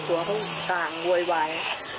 สัวเข้าต่างววยวาย